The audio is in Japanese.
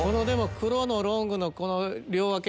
黒のロングの両分け。